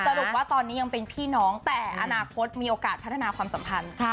สรุปว่าตอนนี้ยังเป็นพี่น้องแต่อนาคตมีโอกาสพัฒนาความสัมพันธ์